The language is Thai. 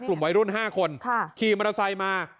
กลุ่มวัยรุ่น๕คนขี่มอเตอร์ไซค์มา